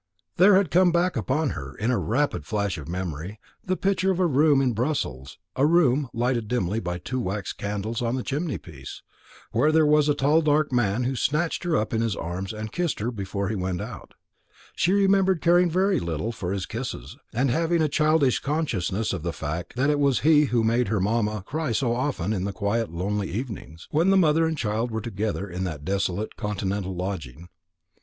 There had come back upon her, in a rapid flash of memory, the picture of a room in Brussels a room lighted dimly by two wax candles on the chimney piece, where there was a tall dark man who snatched her up in his arms and kissed her before he went out. She remembered caring very little for his kisses, and having a childish consciousness of the fact that it was he who made her mamma cry so often in the quiet lonely evenings, when the mother and child were together in that desolate continental lodging.